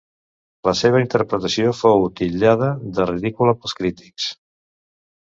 La seva interpretació fou titllada de ridícula pels crítics.